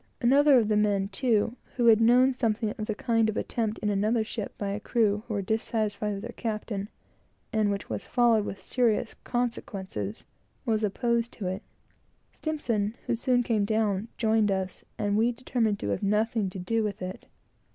Another of the men, too, who had known something of the kind attempted in another ship by a crew who were dissatisfied with their captain, and which was followed with serious consequences, was opposed to it. S , who soon came down, joined us, and we determined to have nothing to do with it.